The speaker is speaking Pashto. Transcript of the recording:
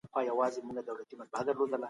د الله تعالی په لارښوونه عمل وکړئ.